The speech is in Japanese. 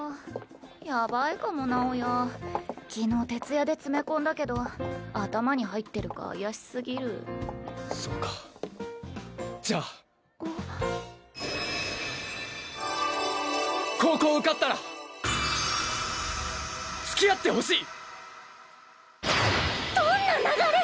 やばいかも直也昨日徹夜で詰め込んだけど頭に入ってるか怪しすぎるそうかじゃああっ高校受かったらつきあってほしい！